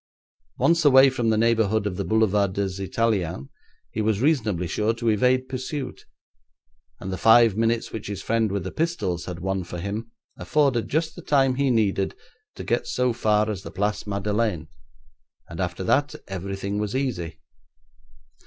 Once away from the neighbourhood of the Boulevard des Italiens he was reasonably sure to evade pursuit, and the five minutes which his friend with the pistols had won for him afforded just the time he needed to get so far as the Place Madeleine, and after that everything was easy.